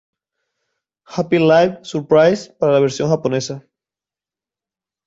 Happy Live Surprise para la versión japonesa.